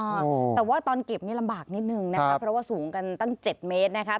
แต่ว่าตอนเก็บนี่ลำบากนิดนึงนะคะเพราะว่าสูงกันตั้งเจ็ดเมตรนะคะ